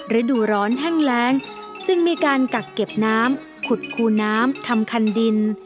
ฤดูร้อนแห้งแรงจึงมีการกักเก็บน้ำขุดคูน้ำทำคันดิน